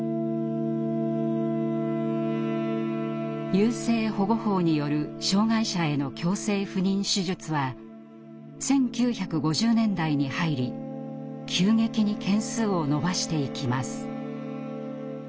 優生保護法による障害者への強制不妊手術は１９５０年代に入り急激に件数を伸ばしていきます。